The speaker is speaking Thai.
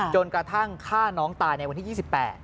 จนกระทั่งฆ่าน้องตายในวันที่๒๘